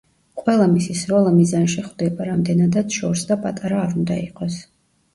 ყველა მისი სროლა მიზანში ხვდება, რამდენადაც შორს და პატარა არ უნდა იყოს.